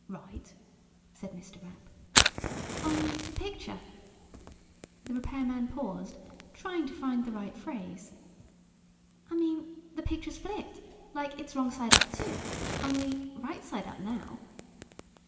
"Right," said Mr. Rapp. "Only the picture " the repairman paused, trying to find the right phrase. "I mean, the picture's flipped. Like, it's wrong side up, too. Only, right side up, now."